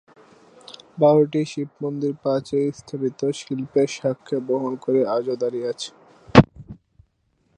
বারোটি শিবমন্দির প্রাচীন স্থাপত্য শিল্পের সাক্ষ্য বহন করে আজো দাঁড়িয়ে আছে।